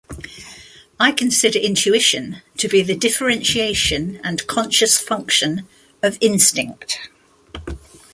I consider intuition to be the differentiation and conscious function of instinct.